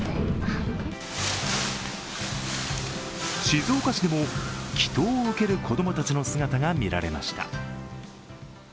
静岡市でも祈とうを受ける子供たちの姿が見られました。